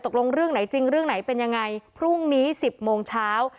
เรื่องไหนจริงเรื่องไหนเป็นยังไงพรุ่งนี้๑๐โมงเช้า